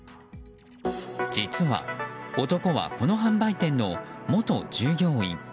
実は、男はこの販売店の元従業員。